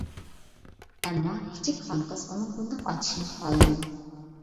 ئەمما كىچىك خانقىز ئۇنىڭ بۇنداق ئاتىشىنى خالىمىدى.